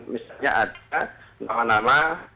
misalnya ada nama nama